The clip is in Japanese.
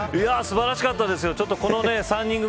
素晴らしかったですよ。